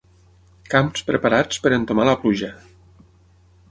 Camps preparats per entomar la pluja.